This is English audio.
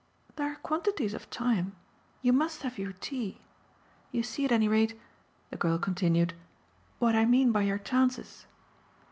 "There are quantities of time. You must have your tea. You see at any rate," the girl continued, "what I mean by your chances."